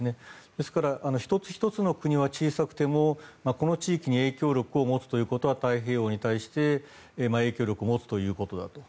ですから１つ１つの国は小さくてもこの地域に影響力を持つということは太平洋に対して影響力を持つということだと。